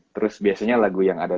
terus biasanya lagu yang ada